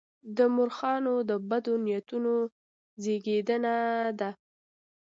د مورخانو د بدو نیتونو زېږنده ده.